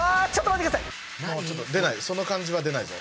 その感じは出ないぞ。